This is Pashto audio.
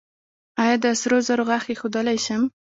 ایا زه د سرو زرو غاښ ایښودلی شم؟